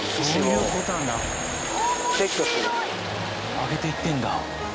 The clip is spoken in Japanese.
上げていってるんだ。